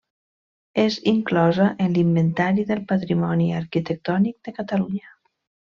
És inclosa en l'Inventari del Patrimoni Arquitectònic de Catalunya.